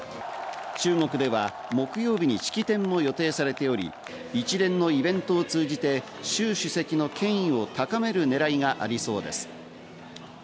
中国では木曜日に式典を予定されており、一連のイベントを通じてシュウ主席の権威を高める狙いがありそうです。